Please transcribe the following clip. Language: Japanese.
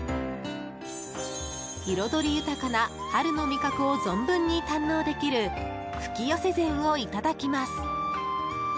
彩り豊かな春の味覚を存分に堪能できる吹き寄せ膳をいただきます。